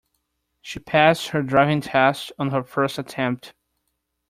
She passed her driving test on her first attempt.